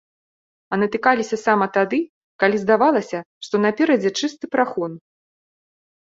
А натыкаліся сама тады, калі здавалася, што наперадзе чысты прахон.